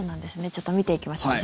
ちょっと見ていきましょう。